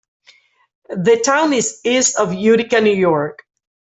The town is east of Utica, New York.